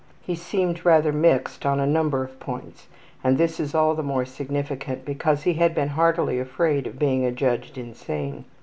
He seemed rather mixed on a number of points, and this is all the more significant because he had been heartily afraid of being adjudged insane.